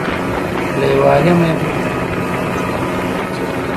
له یو عالمه یې وپوښتل د دوو جملو توپیر څه دی؟